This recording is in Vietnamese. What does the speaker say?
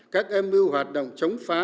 các âm mưu hoạt động chống phá